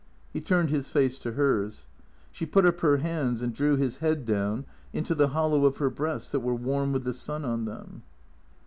He turned his face to hers. She put up her hands and drew his head down into the hollow of her breasts that were w^arm with the sun on them.